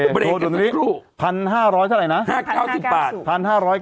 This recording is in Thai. โอเคโทรดนี่พันห้าร้อยเท่าไหร่นะ